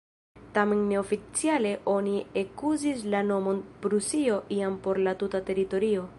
Tamen ne-oficiale oni ekuzis la nomon "Prusio" jam por la tuta teritorio.